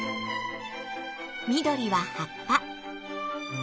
緑は葉っぱ。